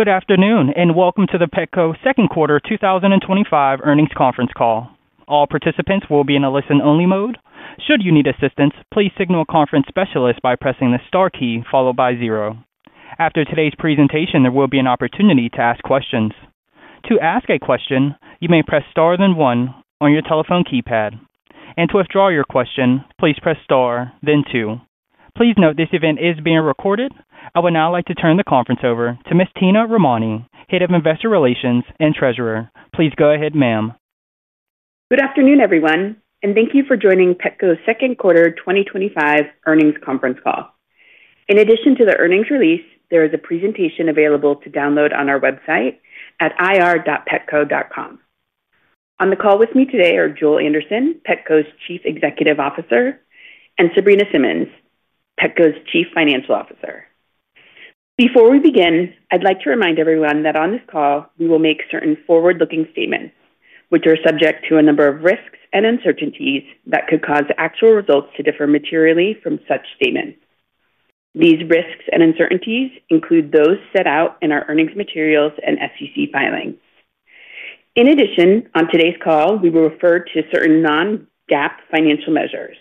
Good afternoon and welcome to the Petco Second Quarter 2025 Earnings Conference Call. All participants will be in a listen-only mode. Should you need assistance, please signal a conference specialist by pressing the star key followed by zero. After today's presentation, there will be an opportunity to ask questions. To ask a question, you may press star then one on your telephone keypad, and to withdraw your question, please press star then two. Please note this event is being recorded. I would now like to turn the conference over to Ms. Tina Romani, Head of Investor Relations and Treasury. Please go ahead, ma'am. Good afternoon, everyone, and thank you for joining Petco's Second Quarter 2025 Earnings Conference Call. In addition to the earnings release, there is a presentation available to download on our website at ir.petco.com. On the call with me today are Joel Anderson, Petco's Chief Executive Officer, and Sabrina Simmons, Petco's Chief Financial Officer. Before we begin, I'd like to remind everyone that on this call, we will make certain forward-looking statements, which are subject to a number of risks and uncertainties that could cause actual results to differ materially from such statements. These risks and uncertainties include those set out in our earnings materials and SEC filing. In addition, on today's call, we will refer to certain non-GAAP financial measures.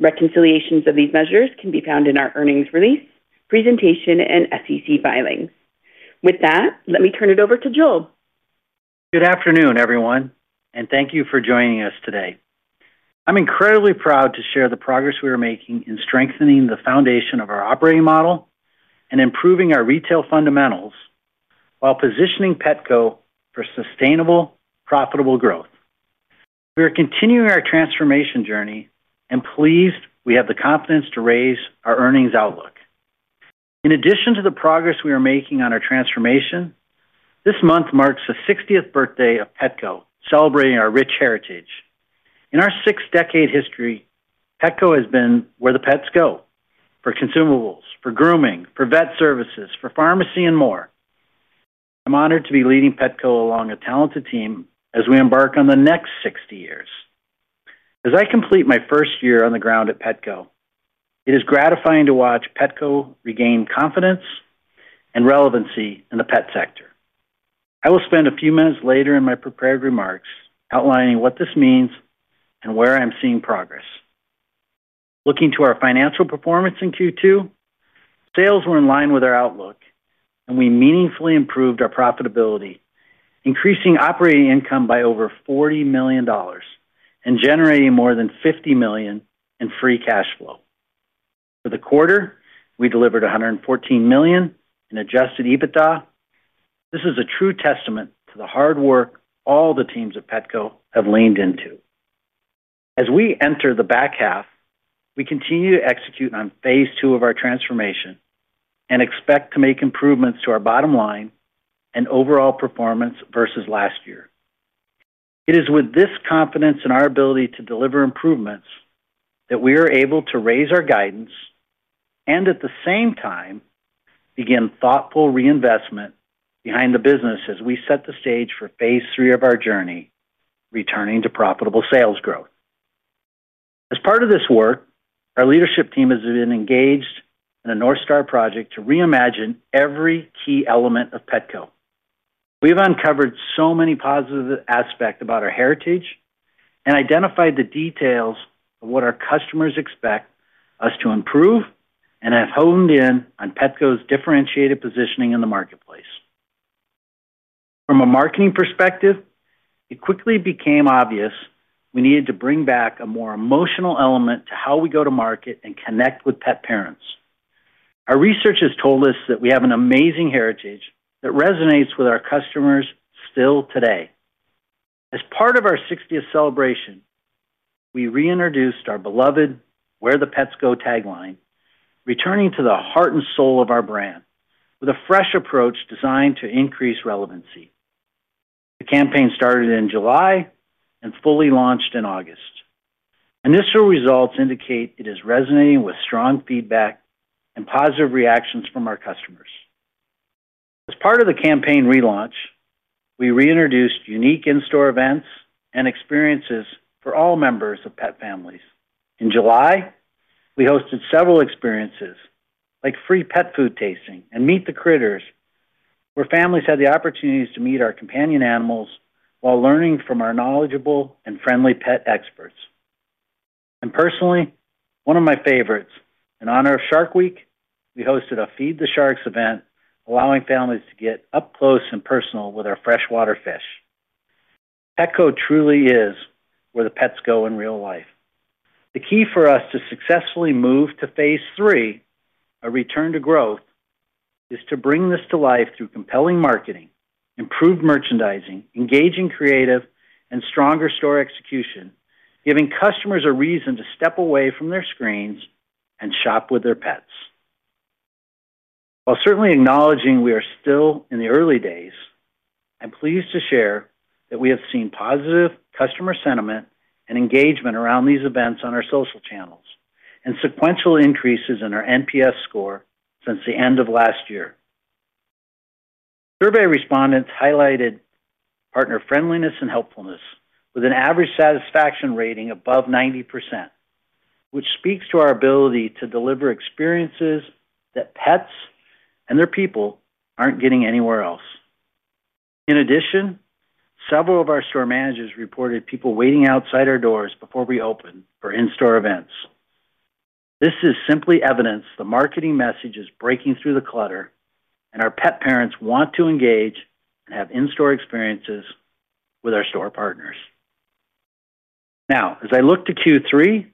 Reconciliations of these measures can be found in our earnings release, presentation, and SEC filing. With that, let me turn it over to Joel. Good afternoon, everyone, and thank you for joining us today. I'm incredibly proud to share the progress we are making in strengthening the foundation of our operating model and improving our retail fundamentals while positioning Petc for sustainable, profitable growth. We are continuing our transformation journey, and, pleased, we have the confidence to raise our earnings outlook. In addition to the progress we are making on our transformation, this month marks the 60th birthday of Petco, celebrating our rich Petco has been where the pets go, for consumables, for grooming, for veterinary care, for pharmacy, and more. Petco along a talented team as we embark on the next 60 years. As I complete my first Petco regain confidence and relevancy in the pet sector. I will spend a few minutes later in my prepared remarks outlining what this means and where I'm seeing progress. Looking to our financial performance in Q2, sales were in line with our outlook, and we meaningfully improved our profitability, increasing operating income by over $40 million and generating more than $50 million in free cash flow. For the quarter, we delivered $114 million in adjusted EBITDA. This is a true testament to the hard Petco have leaned into. As we enter the back half, we continue to execute on phase II of our transformation and expect to make improvements to our bottom line and overall performance versus last year. It is with this confidence in our ability to deliver improvements that we are able to raise our guidance and, at the same time, begin thoughtful reinvestment behind the business as we set the stage for phase III of our journey, returning to profitable sales growth. As part of this work, our leadership team has been engaged in a north star project to of Petco we've uncovered so many positive aspects about our heritage and identified the details of what our customers expect us to improve on Petco's differentiated positioning in the marketplace. From a marketing perspective, it quickly became obvious we needed to bring back a more emotional element to how we go to market and connect with pet parents. Our research has told us that we have an amazing heritage that resonates with our customers still today. As part of our 60th celebration, we reintroduced our beloved "Where the pets go" tagline, returning to the heart and soul of our brand with a fresh approach designed to increase relevancy. The campaign started in July and fully launched in August. Initial results indicate it is resonating with strong feedback and positive reactions from our customers. As part of the campaign relaunch, we reintroduced unique in-store events and experiences for all members of pet families. In July, we hosted several experiences like free pet food tasting and "Meet the Critters," where families had the opportunity to meet our companion animals while learning from our knowledgeable and friendly pet experts. Personally, one of my favorites, in honor of Shark Week, we hosted a "Feed the Sharks" event, allowing families to get up close and personal with our freshwater fish. Petco truly is where the pets go in real life. The key for us to successfully move to phase III, a return to growth, is to bring this to life through compelling marketing, improved merchandising, engaging creative, and stronger store execution, giving customers a reason to step away from their screens and shop with their pets. While certainly acknowledging we are still in the early days, I'm pleased to share that we have seen positive customer sentiment and engagement around these events on our social channels and sequential increases in our NPS score since the end of last year. Survey respondents highlighted partner friendliness and helpfulness, with an average satisfaction rating above 90%, which speaks to our ability to deliver experiences that pets and their people aren't getting anywhere else. In addition, several of our store managers reported people waiting outside our doors before we open for in-store events. This is simply evidence the marketing message is breaking through the clutter, and our pet parents want to engage and have in-store experiences with our store partners. Now, as I look to Q3,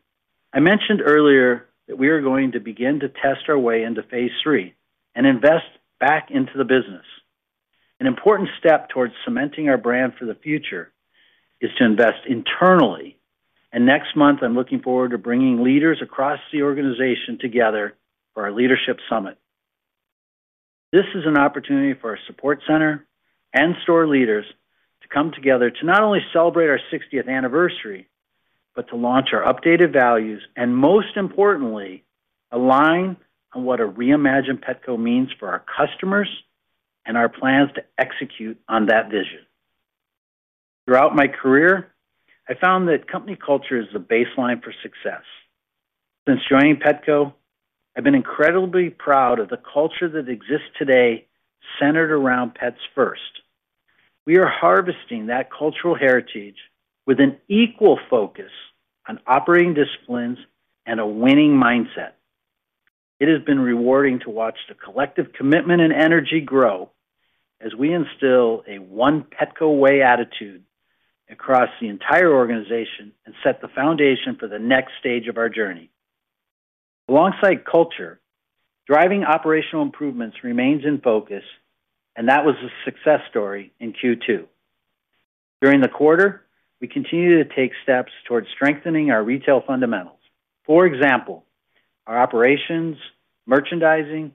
I mentioned earlier that we are going to begin to test our way into phase III and invest back into the business. An important step towards cementing our brand for the future is to invest internally, and next month I'm looking forward to bringing leaders across the organization together for our leadership summit. This is an opportunity for our support center and store leaders to come together to not only celebrate our 60th anniversary, but to launch our updated values and, most importantly, align on what a reimagined Petco means for our customers and our plans to execute on that vision. Throughout my career, I found that company culture is the baseline for success. Since joining Petco, I've been incredibly proud of the culture that exists today centered around pets first. We are harvesting that cultural heritage with an equal focus on operating disciplines and a winning mindset. It has been rewarding to watch the collective commitment and energy grow as we instill a "One Petco Way" attitude across the entire organization and set the foundation for the next stage of our journey. Alongside culture, driving operational improvements remains in focus, and that was a success story in Q2. During the quarter, we continue to take steps towards strengthening our retail fundamentals. For example, our operations, merchandising,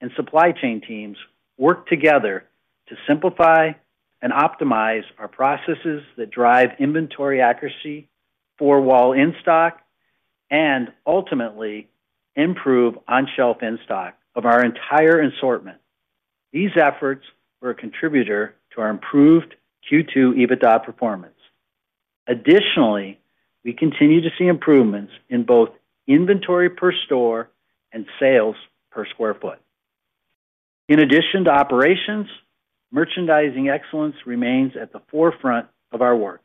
and supply chain teams work together to simplify and optimize our processes that drive inventory accuracy, four-wall in-stock, and ultimately improve on-shelf in-stock of our entire assortment. These efforts were a contributor to our improved Q2 adjusted EBITDA performance. Additionally, we continue to see improvements in both inventory per store and sales per square foot. In addition to operations, merchandising excellence remains at the forefront of our work.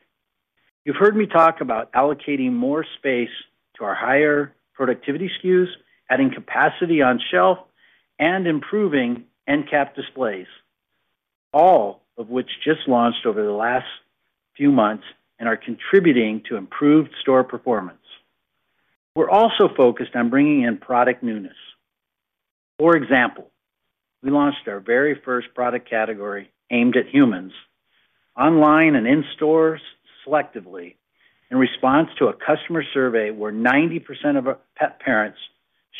You've heard me talk about allocating more space to our higher productivity SKUs, adding capacity on shelf, and improving end-cap displays, all of which just launched over the last few months and are contributing to improved store performance. We're also focused on bringing in product newness. For example, we launched our very first product category aimed at humans, online and in stores selectively, in response to a customer survey where 90% of pet parents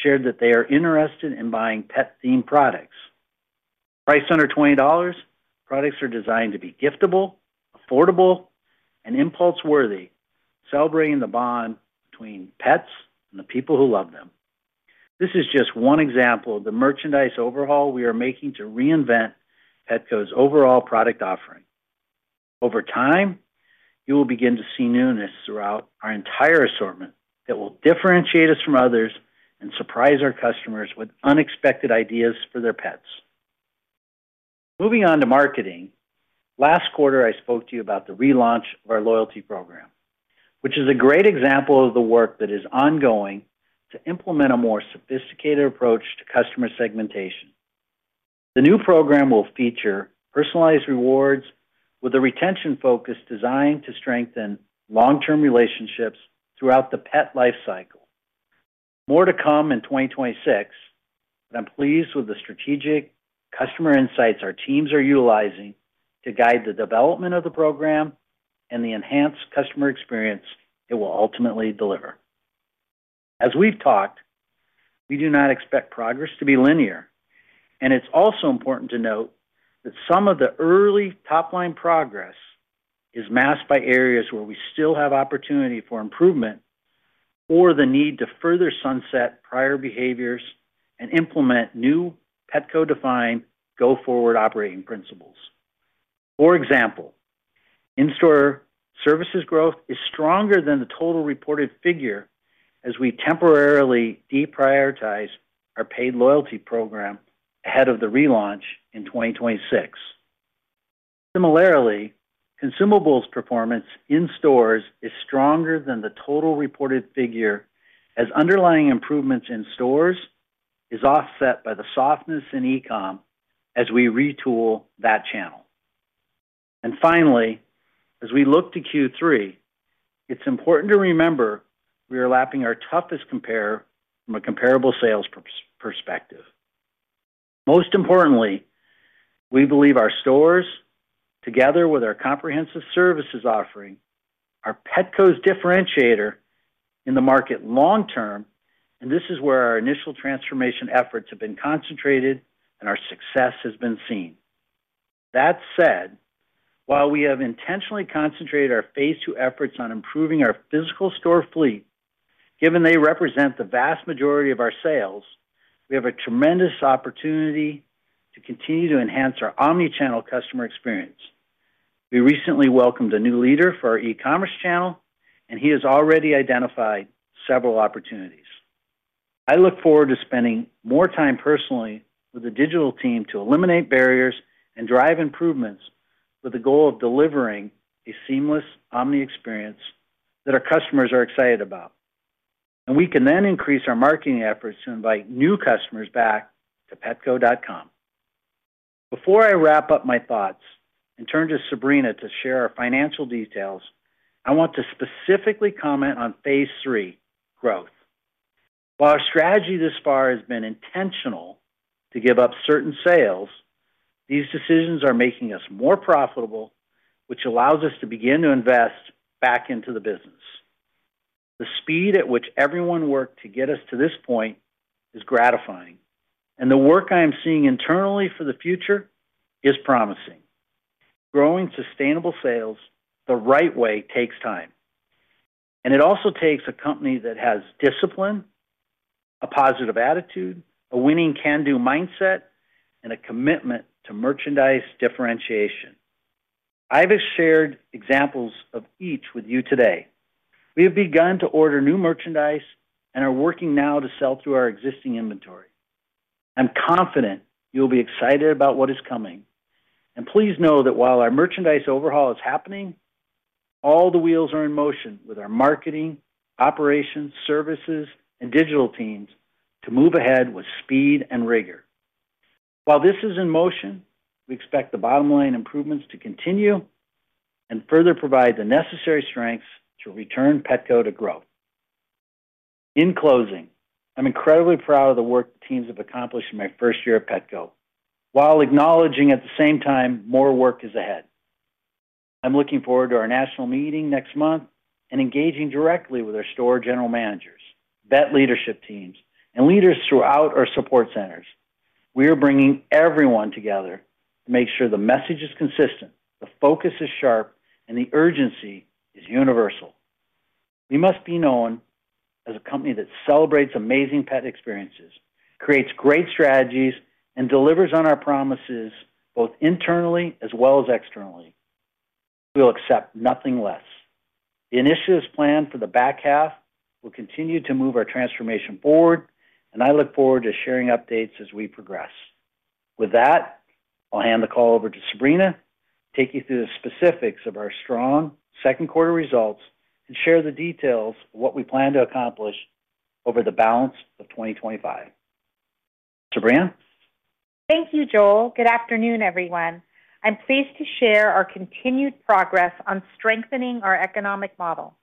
shared that they are interested in buying pet-themed products. Priced under $20, products are designed to be giftable, affordable, and impulse-worthy, celebrating the bond between pets and the people who love them. This is just one example of the merchandise overhaul we are making to reinvent Petco's overall product offering. Over time, you will begin to see newness throughout our entire assortment that will differentiate us from others and surprise our customers with unexpected ideas for their pets. Moving on to marketing, last quarter I spoke to you about the relaunch of our loyalty program, which is a great example of the work that is ongoing to implement a more sophisticated approach to customer segmentation. The new program will feature personalized rewards with a retention focus designed to strengthen long-term relationships throughout the pet life cycle. More to come in 2026, but I'm pleased with the strategic customer insights our teams are utilizing to guide the development of the program and the enhanced customer experience it will ultimately deliver. As we've talked, we do not expect progress to be linear, and it's also important to note that some of the early top-line progress is masked by areas where we still have opportunity for improvement or the need to further sunset prior behaviors and implement new Petco-defined go-forward operating principles. For example, in-store services growth is stronger than the total reported figure as we temporarily deprioritize our paid loyalty program ahead of the relaunch in 2026. Similarly, consumables performance in stores is stronger than the total reported figure as underlying improvements in stores are offset by the softness in e-comm as we retool that channel. Finally, as we look to Q3, it's important to remember we are lapping our toughest comparer from a comparable sales perspective. Most importantly, we believe our stores, together with our comprehensive services offering, are Petco's differentiator in the market long term, and this is where our initial transformation efforts have been concentrated and our success has been seen. That said, while we have intentionally concentrated our phase II efforts on improving our physical store fleet, given they represent the vast majority of our sales, we have a tremendous opportunity to continue to enhance our omnichannel customer experience. We recently welcomed a new leader for our e-commerce channel, and he has already identified several opportunities. I look forward to spending more time personally with the digital team to eliminate barriers and drive improvements with the goal of delivering a seamless omni experience that our customers are excited about. We can then increase our marketing efforts to invite new customers back to Petco.com. Before I wrap up my thoughts and turn to Sabrina to share our financial details, I want to specifically comment on phase III growth. While our strategy thus far has been intentional to give up certain sales, these decisions are making us more profitable, which allows us to begin to invest back into the business. The speed at which everyone worked to get us to this point is gratifying, and the work I'm seeing internally for the future is promising. Growing sustainable sales the right way takes time, and it also takes a company that has discipline, a positive attitude, a winning can-do mindset, and a commitment to merchandise differentiation. I have shared examples of each with you today. We have begun to order new merchandise and are working now to sell through our existing inventory. I'm confident you'll be excited about what is coming, and please know that while our merchandise overhaul is happening, all the wheels are in motion with our marketing, operations, services, and digital teams to move ahead with speed and rigor. While this is in motion, we expect the bottom line improvements to continue and further provide Petco to growth. In closing, I'm incredibly proud of the work teams have accomplished at Petco, while acknowledging at the same time more work is ahead. I'm looking forward to our national meeting next month and engaging directly with our store general managers, vet leadership teams, and leaders throughout our support centers. We are bringing everyone together to make sure the message is consistent, the focus is sharp, and the urgency is universal. We must be known as a company that celebrates amazing pet experiences, creates great strategies, and delivers on our promises both internally as well as externally. We'll accept nothing less. The initiatives planned for the back half will continue to move our transformation forward, and I look forward to sharing updates as we progress. With that, I'll hand the call over to Sabrina, take you through the specifics of our strong second quarter results, and share the details of what we plan to accomplish over the balance of 2025. Sabrina? Thank you, Joel. Good afternoon, everyone. I'm pleased to share our continued progress on strengthening our economic model.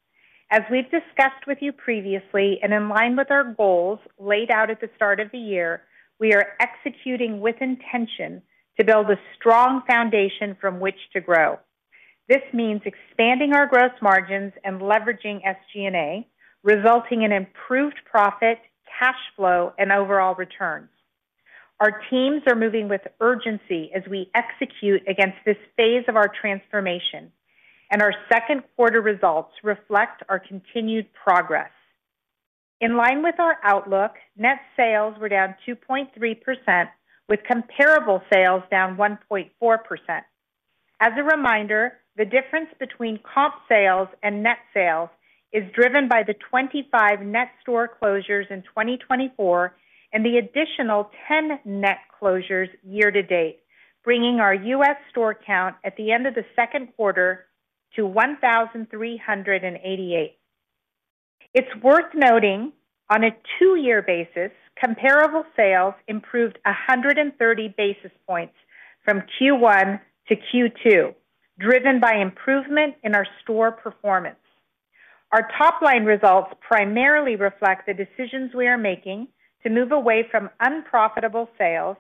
As we've discussed with you previously, and in line with our goals laid out at the start of the year, we are executing with intention to build a strong foundation from which to grow. This means expanding our gross margins and leveraging SG&A, resulting in improved profit, cash flow, and overall returns. Our teams are moving with urgency as we execute against this phase of our transformation, and our second quarter results reflect our continued progress. In line with our outlook, net sales were down 2.3%, with comparable sales down 1.4%. As a reminder, the difference between comparable sales and net sales is driven by the 25 net store closures in 2024 and the additional 10 net closures year to date, bringing our U.S. store count at the end of the second quarter to 1,388. It's worth noting, on a two-year basis, comparable sales improved 130 basis points from Q1 to Q2, driven by improvement in our store performance. Our top-line results primarily reflect the decisions we are making to move away from unprofitable sales,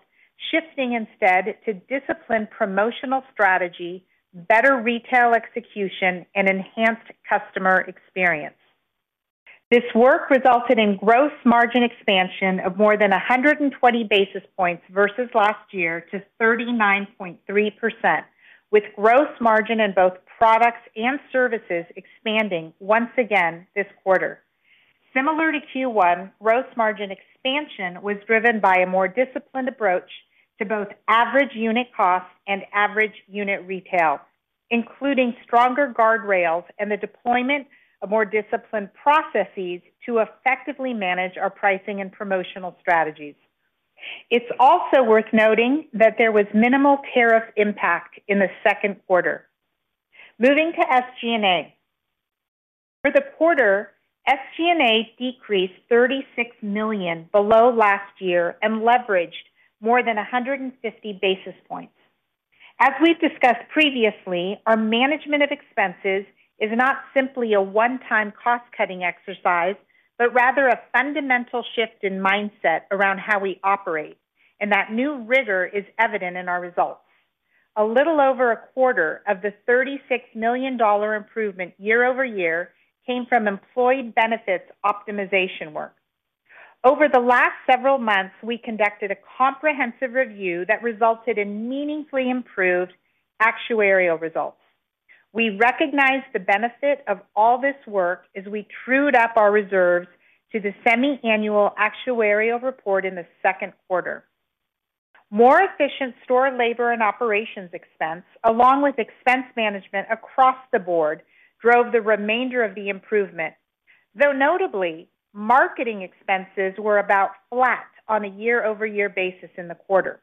shifting instead to disciplined promotional strategy, better retail execution, and enhanced customer experience. This work resulted in gross margin expansion of more than 120 basis points versus last year to 39.3%, with gross margin in both products and services expanding once again this quarter. Similar to Q1, gross margin expansion was driven by a more disciplined approach to both average unit cost and average unit retail, including stronger guardrails and the deployment of more disciplined processes to effectively manage our pricing and promotional strategies. It's also worth noting that there was minimal tariff impact in the second quarter. Moving to SG&A, for the quarter, SG&A decreased $36 million below last year and leveraged more than 150 basis points. As we've discussed previously, our management of expenses is not simply a one-time cost-cutting exercise, but rather a fundamental shift in mindset around how we operate, and that new rigor is evident in our results. A little over a quarter of the $36 million improvement year-over-year came from employee benefits optimization work. Over the last several months, we conducted a comprehensive review that resulted in meaningfully improved actuarial results. We recognized the benefit of all this work as we trued up our reserves to the semi-annual actuarial report in the second quarter. More efficient store labor and operations expense, along with expense management across the board, drove the remainder of the improvement, though notably, marketing expenses were about flat on a year-over-year basis in the quarter.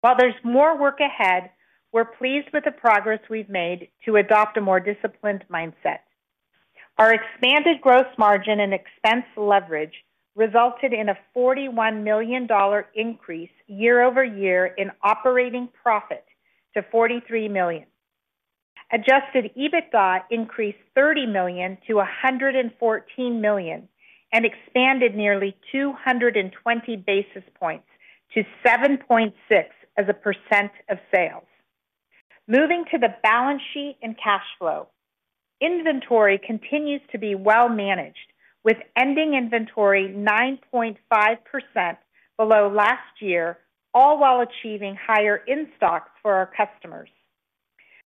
While there's more work ahead, we're pleased with the progress we've made to adopt a more disciplined mindset. Our expanded gross margin and expense leverage resulted in a $41 million increase year-over-year in operating profit to $43 million. Adjusted EBITDA increased $30 million to $114 million and expanded nearly 220 basis points to 7.6% as a percent of sales. Moving to the balance sheet and cash flow, inventory continues to be well managed, with ending inventory 9.5% below last year, all while achieving higher in stocks for our customers.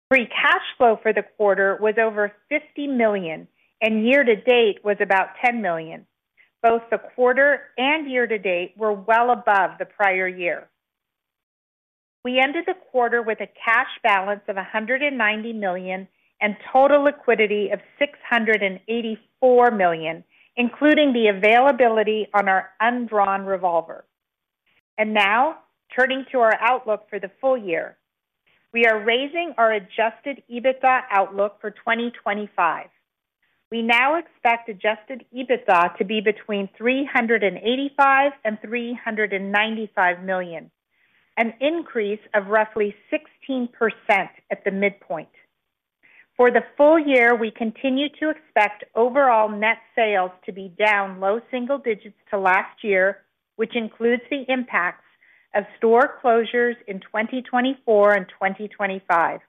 Free cash flow for the quarter was over $50 million, and year to date was about $10 million. Both the quarter and year to date were well above the prior year. We ended the quarter with a cash balance of $190 million and total liquidity of $684 million, including the availability on our undrawn revolver. Now, turning to our outlook for the full year, we are raising our adjusted EBITDA outlook for 2025. We now expect adjusted EBITDA to be between $385 million and $395 million, an increase of roughly 16% at the midpoint. For the full year, we continue to expect overall net sales to be down low single digits to last year, which includes the impacts of store closures in 2024 and 2025.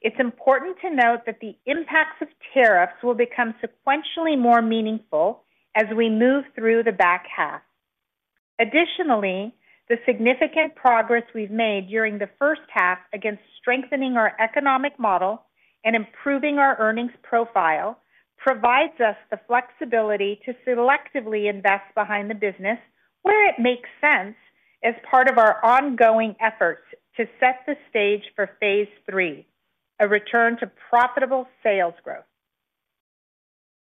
It's important to note that the impacts of tariffs will become sequentially more meaningful as we move through the back half. Additionally, the significant progress we've made during the first half against strengthening our economic model and improving our earnings profile provides us the flexibility to selectively invest behind the business where it makes sense as part of our ongoing efforts to set the stage for phase III, a return to profitable sales growth.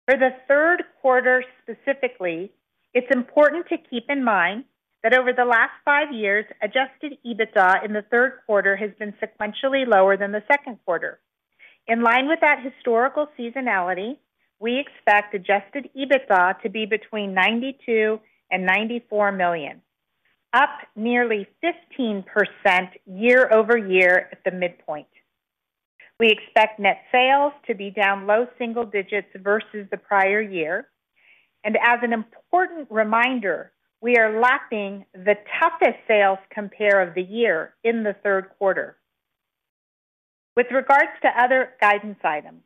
For the third quarter specifically, it's important to keep in mind that over the last five years, adjusted EBITDA in the third quarter has been sequentially lower than the second quarter. In line with that historical seasonality, we expect adjusted EBITDA to be between $92 million and $94 million, up nearly 15% year-over-year at the midpoint. We expect net sales to be down low single digits versus the prior year. As an important reminder, we are lapping the toughest sales compare of the year in the third quarter. With regards to other guidance items,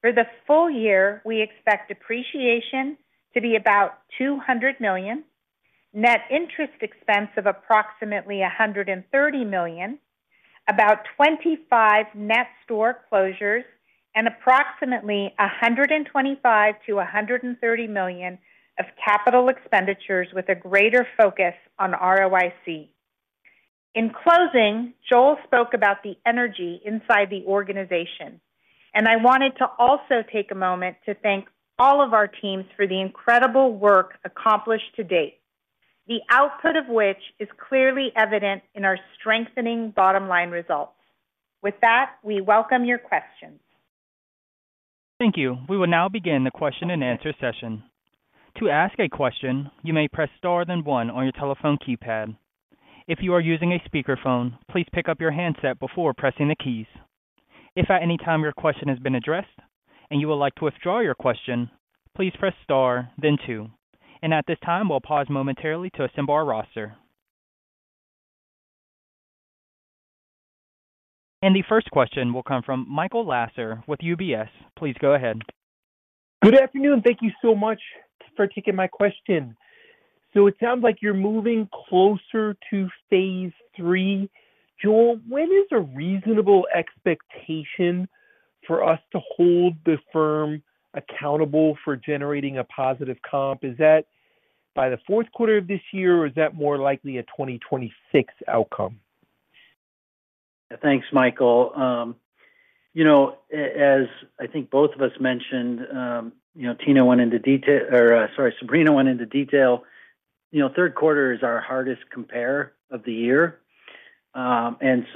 for the full year, we expect depreciation to be about $200 million, net interest expense of approximately $130 million, about 25 net store closures, and approximately $125 million-$130 million of capital expenditures with a greater focus on ROIC. In closing, Joel spoke about the energy inside the organization, and I wanted to also take a moment to thank all of our teams for the incredible work accomplished to date, the output of which is clearly evident in our strengthening bottom line results. With that, we welcome your questions. Thank you. We will now begin the question and answer session. To ask a question, you may press star then one on your telephone keypad. If you are using a speakerphone, please pick up your handset before pressing the keys. If at any time your question has been addressed and you would like to withdraw your question, please press star then two. At this time, we'll pause momentarily to assemble our roster. The first question will come from Michael Lasser with UBS. Please go ahead. Good afternoon. Thank you so much for taking my question. It sounds like you're moving closer to phase III. Joel, when is a reasonable expectation for us to hold the firm accountable for generating a positive comp? Is that by the fourth quarter of this year, or is that more likely a 2026 outcome? Thanks, Michael. As I think both of us mentioned, Tina went into detail, or sorry, Sabrina went into detail. Third quarter is our hardest compare of the year. Like I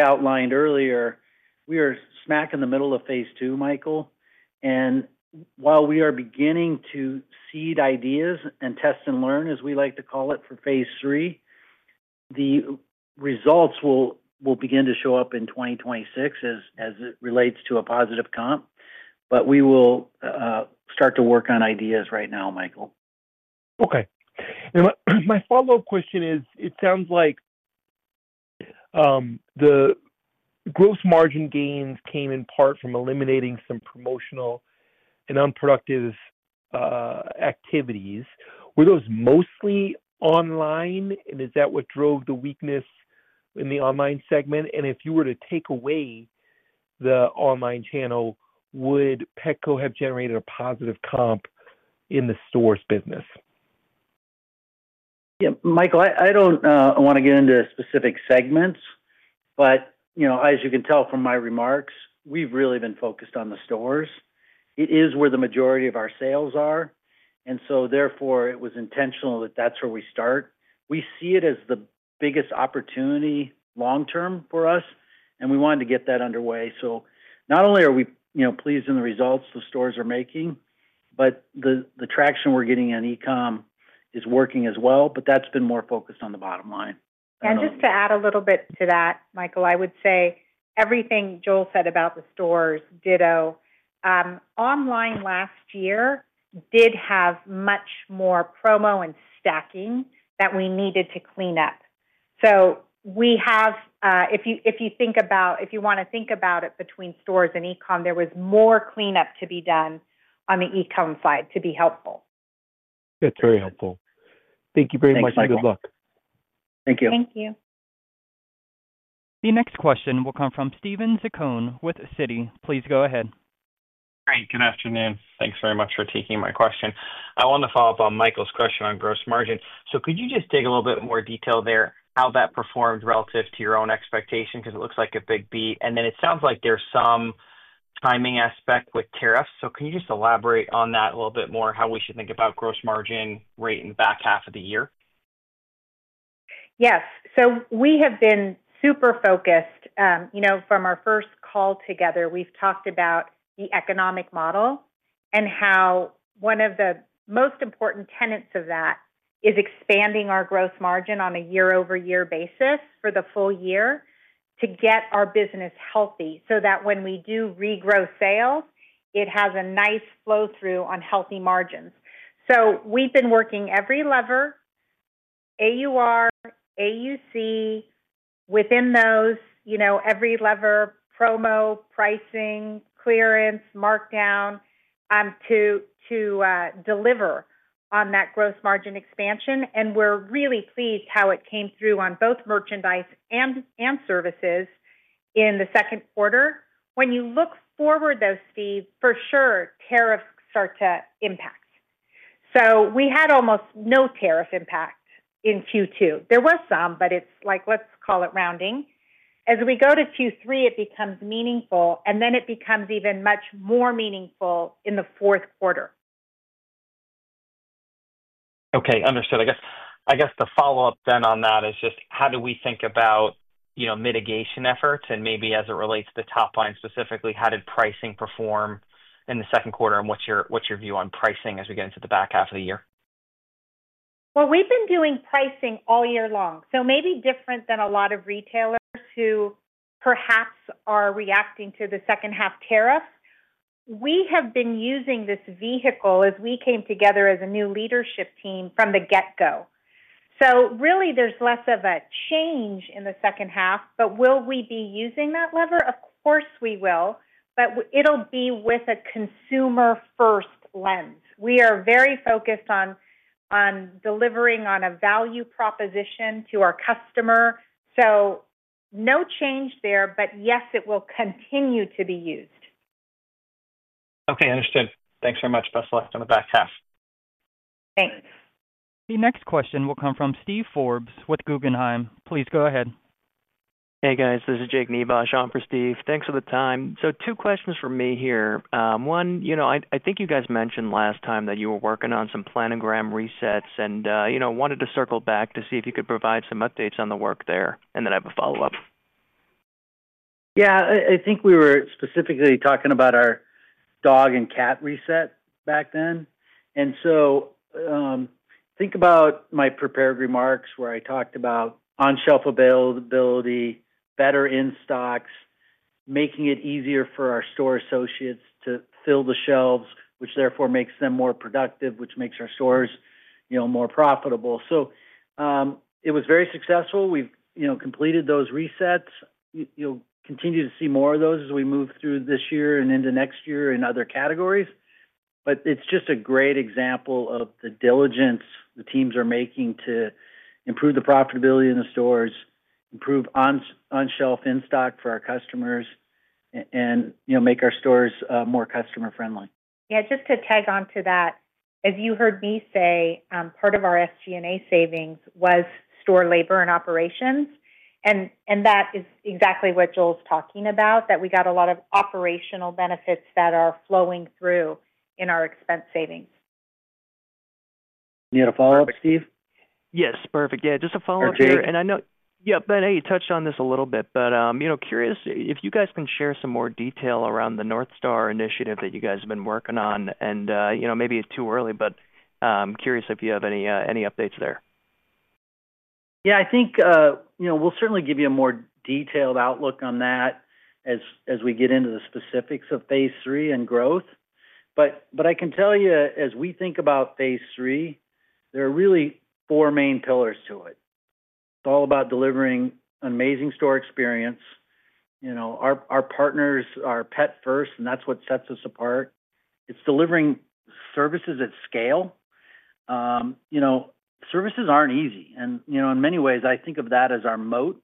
outlined earlier, we are smack in the middle of phase II, Michael. While we are beginning to seed ideas and test and learn, as we like to call it, for phase III, the results will begin to show up in 2026 as it relates to a positive comp. We will start to work on ideas right now, Michael. Okay. My follow-up question is, it sounds like the gross margin gains came in part from eliminating some promotional and unproductive activities. Were those mostly online, and is that what drove the weakness in the online segment? If you were to take away the online channel, would Petco have generated a positive comp in the stores business? Yeah, Michael, I don't want to get into specific segments, but as you can tell from my remarks, we've really been focused on the stores. It is where the majority of our sales are, and therefore, it was intentional that that's where we start. We see it as the biggest opportunity long term for us, and we wanted to get that underway. Not only are we pleased in the results the stores are making, but the traction we're getting on e-comm is working as well. That's been more focused on the bottom line. To add a little bit to that, Michael, I would say everything Joel said about the stores, ditto. Online last year did have much more promo and stacking that we needed to clean up. We have, if you think about it, if you want to think about it between stores and e-comm, there was more cleanup to be done on the e-comm side to be helpful. That's very helpful. Thank you very much, and good luck. Thank you. Thank you. The next question will come from Steven Zaccone with Citi. Please go ahead. Hi. Good afternoon. Thanks very much for taking my question. I want to follow up on Michael's question on gross margin. Could you just dig a little bit more detail there, how that performed relative to your own expectations? It looks like a big B. It sounds like there's some timing aspect with tariffs. Could you just elaborate on that a little bit more, how we should think about gross margin rate in the back half of the year? Yes. We have been super focused. You know, from our first call together, we've talked about the economic model and how one of the most important tenets of that is expanding our gross margin on a year-over-year basis for the full year to get our business healthy so that when we do regrow sales, it has a nice flow-through on healthy margins. We have been working every lever, AUR, AUC, within those, you know, every lever, promo, pricing, clearance, markdown, to deliver on that gross margin expansion. We're really pleased how it came through on both merchandise and services in the second quarter. When you look forward, those fees, for sure, tariffs start to impact. We had almost no tariff impact in Q2. There was some, but it's like, let's call it rounding. As we go to Q3, it becomes meaningful, and then it becomes even much more meaningful in the fourth quarter. Okay. Understood. I guess the follow-up then on that is just how do we think about, you know, mitigation efforts? Maybe as it relates to the top line specifically, how did pricing perform in the second quarter and what's your view on pricing as we get into the back half of the year? We have been doing pricing all year long. Maybe different than a lot of retailers who perhaps are reacting to the second half tariffs, we have been using this vehicle as we came together as a new leadership team from the get-go. There is less of a change in the second half, but will we be using that lever? Of course, we will, but it will be with a consumer-first lens. We are very focused on delivering on a value proposition to our customer. No change there, but yes, it will continue to be used. Okay. Understood. Thanks very much. Best of luck on the back half. Thanks. The next question will come from Steven Forbes with Guggenheim. Please go ahead. Hey, guys. This is Jake Nivasch on for Steve. Thanks for the time. Two questions for me here. One, I think you guys mentioned last time that you were working on some planogram resets, and I wanted to circle back to see if you could provide some updates on the work there, and then I have a follow-up. Yeah. I think we were specifically talking about our dog and cat reset back then. Think about my prepared remarks where I talked about on-shelf availability, better in stocks, making it easier for our store associates to fill the shelves, which therefore makes them more productive, which makes our stores more profitable. It was very successful. We've completed those resets. You'll continue to see more of those as we move through this year and into next year in other categories. It's just a great example of the diligence the teams are making to improve the profitability in the stores, improve on-shelf in stock for our customers, and make our stores more customer-friendly. Yeah. Just to tag on to that, as you heard me say, part of our SG&A savings was store labor and operations. That is exactly what Joel's talking about, that we got a lot of operational benefits that are flowing through in our expense savings. You had a follow-up, Steve? Yes, perfect. Just a follow-up here. Oh, Jake? I know, Ben, hey, you touched on this a little bit, but curious if you guys can share some more detail around the north star initiative that you guys have been working on. Maybe it's too early, but curious if you have any updates there. Yeah. I think, you know, we'll certainly give you a more detailed outlook on that as we get into the specifics of phase III and growth. I can tell you, as we think about phase III, there are really four main pillars to it. It's all about delivering an amazing store experience. You know, our partners are pet-first, and that's what sets us apart. It's delivering services at scale. You know, services aren't easy. In many ways, I think of that as our moat.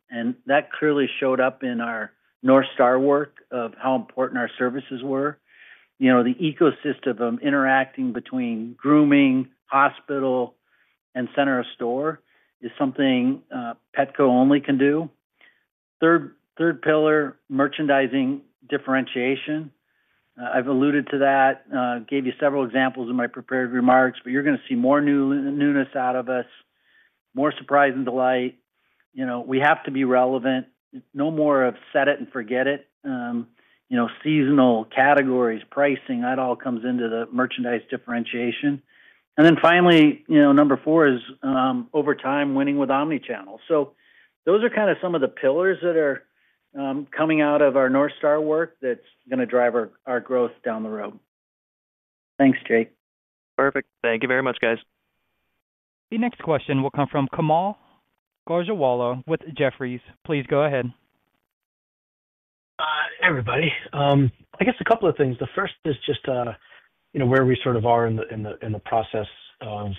That clearly showed up in our North Star work of how important our services were. The ecosystem of interacting between grooming, hospital, and center of store is something Petco only can do. Third pillar, merchandising differentiation. I've alluded to that, gave you several examples in my prepared remarks, but you're going to see more newness out of us, more surprise and delight. We have to be relevant. No more of set it and forget it. You know, seasonal categories, pricing, that all comes into the merchandise differentiation. Finally, number four is, over time, winning with omnichannel. Those are kind of some of the pillars that are coming out of our north star work that's going to drive our growth down the road. Thanks, Jake. Perfect. Thank you very much, guys. The next question will come from Kaumil Gajrawala with Jefferies. Please go ahead. Hi, everybody. I guess a couple of things. The first is just, you know, where we sort of are in the process of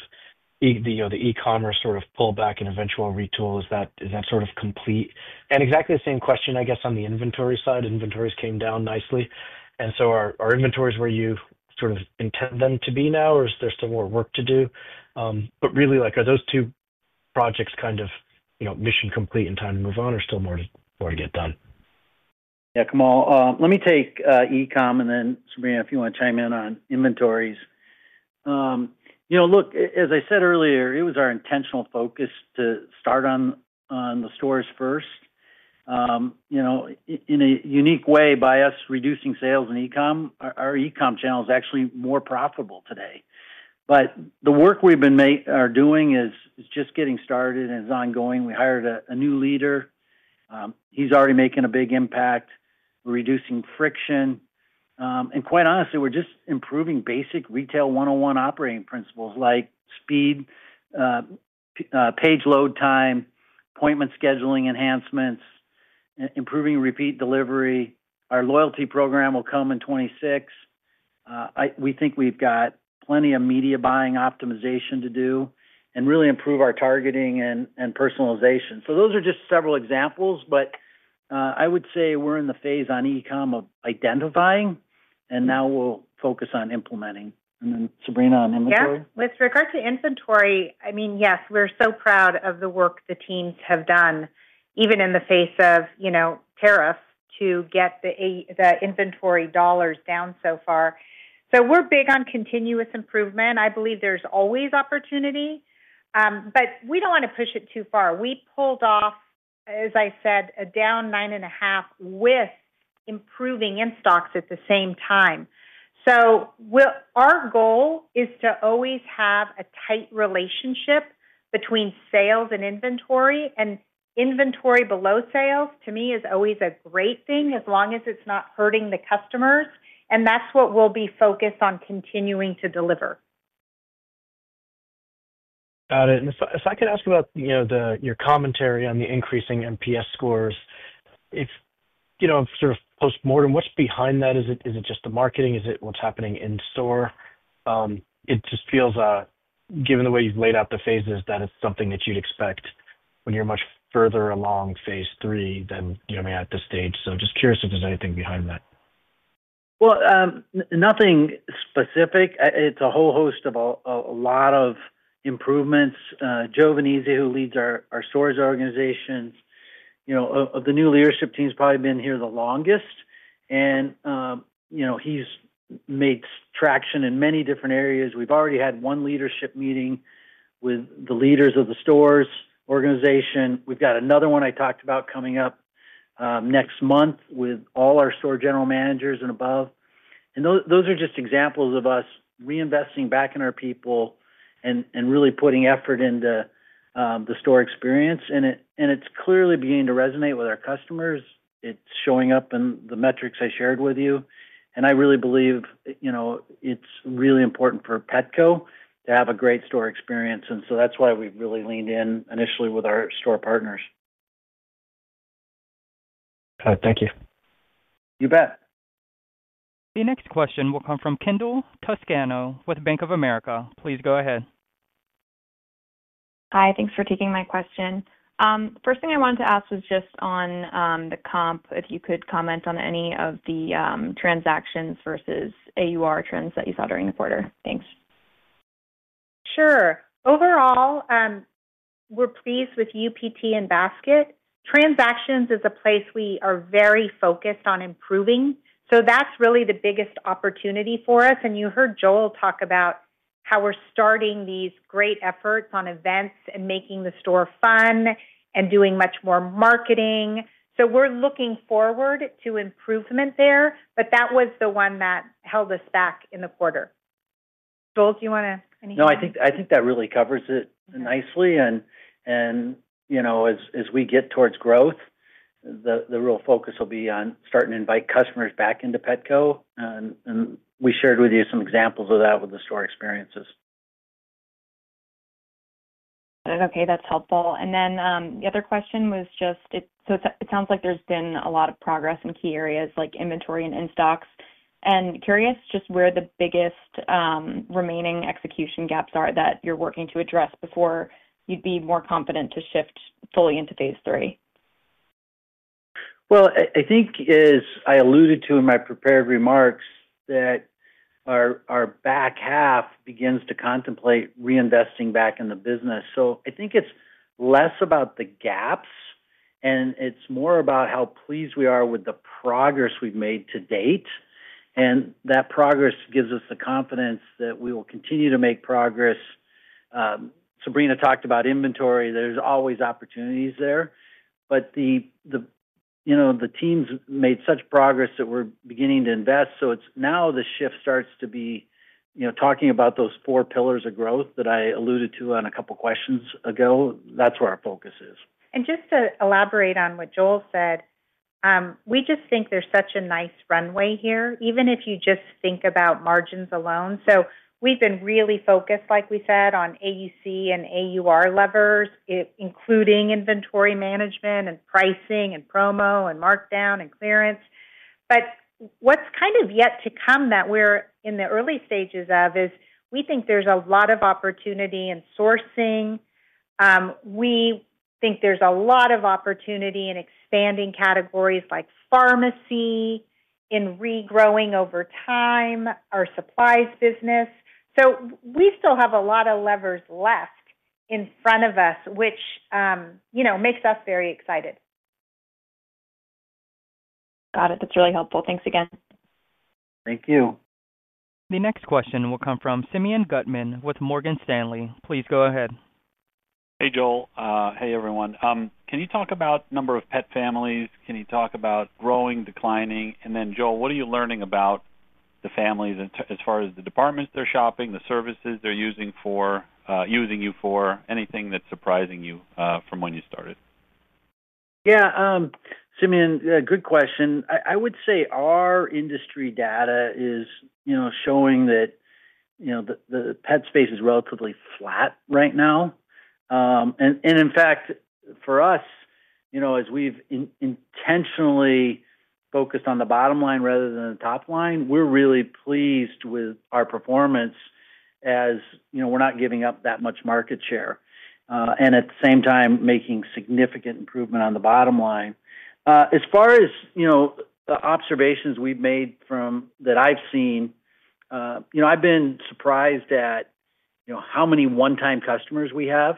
the, you know, the e-commerce sort of pullback and eventual retool. Is that sort of complete? Exactly the same question, I guess, on the inventory side. Inventories came down nicely. Are inventories where you sort of intend them to be now, or is there still more work to do? Really, like, are those two projects kind of, you know, mission complete and time to move on, or still more to get done? Yeah, Kaumil, let me take e-comm and then Sabrina, if you want to chime in on inventories. As I said earlier, it was our intentional focus to start on the stores first. In a unique way, by us reducing sales in e-comm, our e-comm channel is actually more profitable today. The work we've been doing is just getting started and is ongoing. We hired a new leader. He's already making a big impact. We're reducing friction, and quite honestly, we're just improving basic retail 101 operating principles, like speed, page load time, appointment scheduling enhancements, improving repeat delivery. Our loyalty program will come in 2026. We think we've got plenty of media buying optimization to do and really improve our targeting and personalization. Those are just several examples. I would say we're in the phase on e-comm of identifying, and now we'll focus on implementing. Sabrina on inventory? Yeah. With regard to inventory, yes, we're so proud of the work the teams have done, even in the face of, you know, tariffs, to get the inventory dollars down so far. We're big on continuous improvement. I believe there's always opportunity, but we don't want to push it too far. We pulled off, as I said, a down 9.5% with improving in stocks at the same time. Our goal is to always have a tight relationship between sales and inventory, and inventory below sales, to me, is always a great thing as long as it's not hurting the customers. That's what we'll be focused on continuing to deliver. Got it. If I could ask about your commentary on the increasing NPS, if you know, sort of post-mortem, what's behind that? Is it just the marketing? Is it what's happening in store? It just feels, given the way you've laid out the phases, that it's something that you'd expect when you're much further along phase III than you may at this stage. Just curious if there's anything behind that. It's a whole host of a lot of improvements. Joe Venezia, who leads our stores organization, of the new leadership team's probably been here the longest. He's made traction in many different areas. We've already had one leadership meeting with the leaders of the stores organization. We've got another one I talked about coming up next month with all our store general managers and above. Those are just examples of us reinvesting back in our people and really putting effort into the store experience. It's clearly beginning to resonate with our customers. It's showing up in the metrics I shared with you. I really believe it's really important for Petco to have a great store experience. That's why we really leaned in initially with our store partners. Got it. Thank you. You bet. The next question will come from Kendall Toscano with Bank of America. Please go ahead. Hi. Thanks for taking my question. The first thing I wanted to ask was just on the comp, if you could comment on any of the transactions versus AUR trends that you saw during the quarter. Thanks. Sure. Overall, we're pleased with UPT and Basket. Transactions is a place we are very focused on improving. That is really the biggest opportunity for us. You heard Joel talk about how we're starting these great efforts on events and making the store fun and doing much more marketing. We are looking forward to improvement there, but that was the one that held us back in the quarter. Joel, do you want to add anything? I think that really covers it nicely. As we get towards growth, the real focus will be on starting to invite customers back into Petco. We shared with you some examples of that with the store experiences. Okay. That's helpful. The other question was just, it sounds like there's been a lot of progress in key areas like inventory and in stocks. Curious just where the biggest remaining execution gaps are that you're working to address before you'd be more confident to shift fully into phase III. As I alluded to in my prepared remarks, our back half begins to contemplate reinvesting back in the business. I think it's less about the gaps, and it's more about how pleased we are with the progress we've made to date. That progress gives us the confidence that we will continue to make progress. Sabrina talked about inventory. There are always opportunities there. The teams made such progress that we're beginning to invest. It's now the shift starts to be talking about those four pillars of growth that I alluded to on a couple of questions ago. That's where our focus is. To elaborate on what Joel said, we just think there's such a nice runway here, even if you just think about margins alone. We've been really focused, like we said, on AUC and AUR levers, including inventory management, pricing, promo, markdown, and clearance. What's kind of yet to come that we're in the early stages of is we think there's a lot of opportunity in sourcing. We think there's a lot of opportunity in expanding categories like pharmacy, in regrowing over time our supplies business. We still have a lot of levers left in front of us, which makes us very excited. Got it. That's really helpful. Thanks again. Thank you. The next question will come from Simeon Gutman with Morgan Stanley. Please go ahead. Hey, Joel. Hey, everyone. Can you talk about the number of pet families? Can you talk about growing, declining? Joel, what are you learning about the families as far as the departments they're shopping, the services they're using you for? Anything that's surprising you from when you started? Yeah. Simeon, good question. I would say our industry data is showing that the pet space is relatively flat right now. In fact, for us, as we've intentionally focused on the bottom line rather than the top line, we're really pleased with our performance as we're not giving up that much market share, and at the same time, making significant improvement on the bottom line. As far as the observations we've made from that, I've seen, I've been surprised at how many one-time customers we have.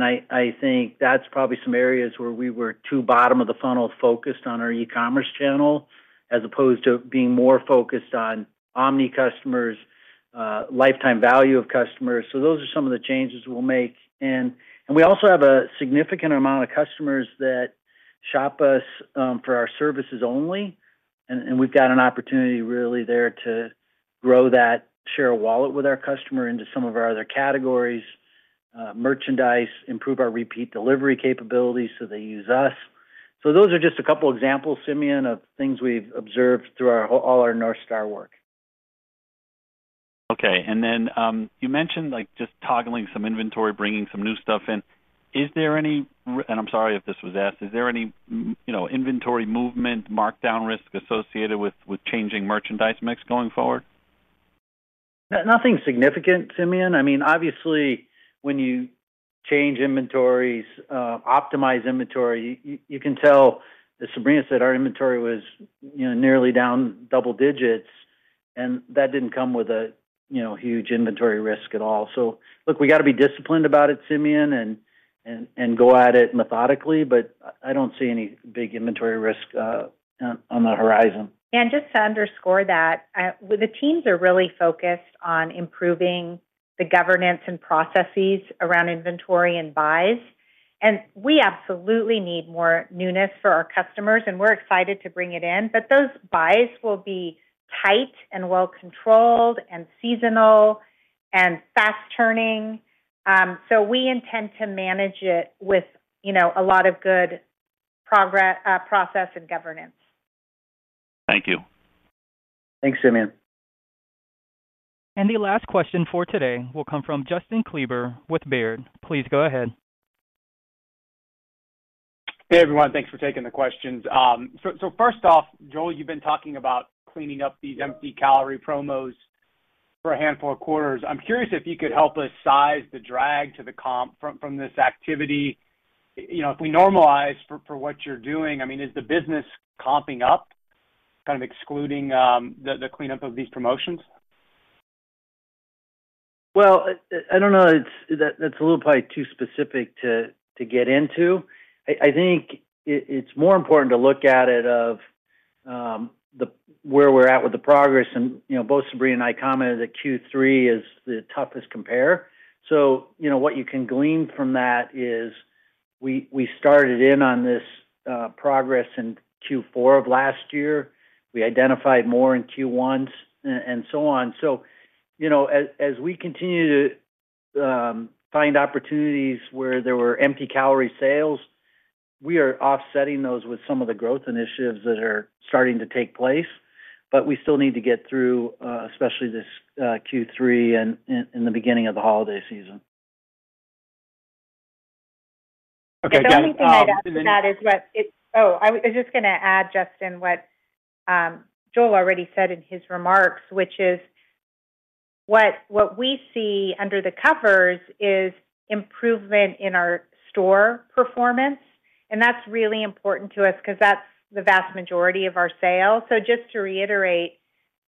I think that's probably some areas where we were too bottom of the funnel focused on our e-commerce channel as opposed to being more focused on omni customers, lifetime value of customers. Those are some of the changes we'll make. We also have a significant amount of customers that shop us for our services only. We've got an opportunity there to grow that share of wallet with our customer into some of our other categories, merchandise, improve our repeat delivery capabilities so they use us. Those are just a couple of examples, Simeon, of things we've observed through all our north star work. Okay. You mentioned just toggling some inventory, bringing some new stuff in. Is there any, and I'm sorry if this was asked, is there any inventory movement, markdown risk associated with changing merchandise mix going forward? Nothing significant, Simeon. Obviously, when you change inventories, optimize inventory, you can tell, as Sabrina said, our inventory was nearly down double digits. That didn't come with a huge inventory risk at all. We got to be disciplined about it, Simeon, and go at it methodically, but I don't see any big inventory risk on the horizon. Yeah. Just to underscore that, the teams are really focused on improving the governance and processes around inventory and buys. We absolutely need more newness for our customers, and we're excited to bring it in. Those buys will be tight and well-controlled, seasonal, and fast-churning. We intend to manage it with a lot of good progress, process, and governance. Thank you. Thanks, Simeon. The last question for today will come from Justin Kleber with Baird. Please go ahead. Hey, everyone. Thanks for taking the questions. Joel, you've been talking about cleaning up these empty calorie promos for a handful of quarters. I'm curious if you could help us size the drag to the comp from this activity. If we normalize for what you're doing, I mean, is the business comping up, kind of excluding the cleanup of these promotions? I don't know. That's probably a little too specific to get into. I think it's more important to look at it in terms of where we're at with the progress. You know, both Sabrina and I commented that Q3 is the toughest compare. What you can glean from that is we started in on this progress in Q4 of last year. We identified more in Q1 and so on. As we continue to find opportunities where there were empty calorie sales, we are offsetting those with some of the growth initiatives that are starting to take place. We still need to get through, especially this Q3 and in the beginning of the holiday season. The only thing I'd add to that is what I was just going to add, Justin, what Joel already said in his remarks, which is what we see under the covers is improvement in our store performance. That's really important to us because that's the vast majority of our sales. Just to reiterate,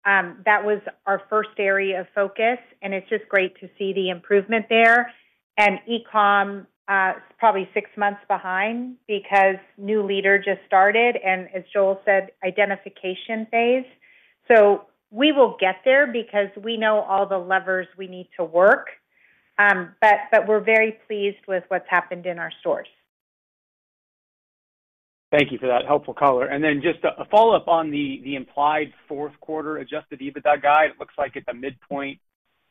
that was our first area of focus, and it's just great to see the improvement there. E-comm is probably six months behind because new leader just started, and as Joel said, identification phase. We will get there because we know all the levers we need to work, but we're very pleased with what's happened in our stores. Thank you for that helpful color. Just a follow-up on the implied fourth quarter adjusted EBITDA guide. It looks like at the midpoint,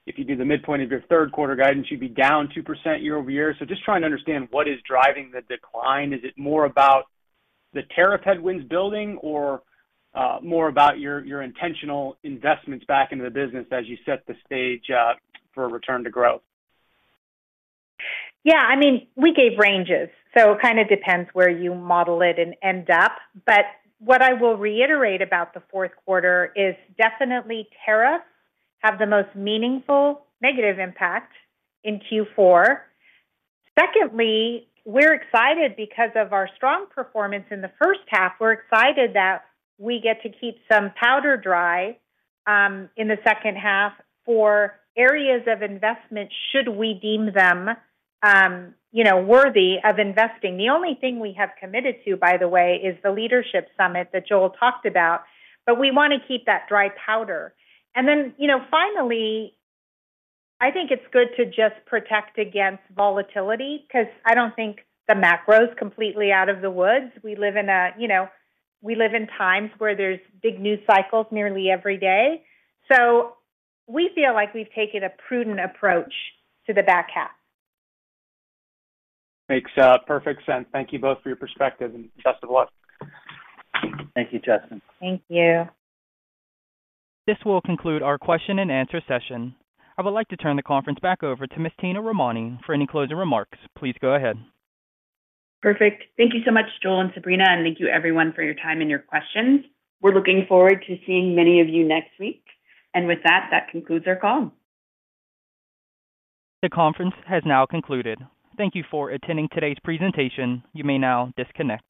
if you do the midpoint of your third quarter guidance, you'd be down 2% year-over-year. I'm just trying to understand what is driving the decline. Is it more about the tariff headwinds building, or more about your intentional investments back into the business as you set the stage for a return to growth? Yeah. I mean, we gave ranges. It kind of depends where you model it in depth. What I will reiterate about the fourth quarter is definitely tariffs have the most meaningful negative impact in Q4. Secondly, we're excited because of our strong performance in the first half. We're excited that we get to keep some powder dry in the second half for areas of investment should we deem them worthy of investing. The only thing we have committed to, by the way, is the leadership summit that Joel talked about. We want to keep that dry powder. Finally, I think it's good to just protect against volatility because I don't think the macro is completely out of the woods. We live in times where there's big news cycles nearly every day. We feel like we've taken a prudent approach to the back half. Makes perfect sense. Thank you both for your perspective, and best of luck. Thank you, Justin. Thank you. This will conclude our question and answer session. I would like to turn the conference back over to Ms. Tina Romani for any closing remarks. Please go ahead. Perfect. Thank you so much, Joel and Sabrina, and thank you, everyone, for your time and your questions. We're looking forward to seeing many of you next week. With that, that concludes our call. The conference has now concluded. Thank you for attending today's presentation. You may now disconnect.